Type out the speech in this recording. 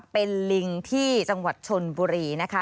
เป็นลิงที่จังหวัดชนบุรีนะคะ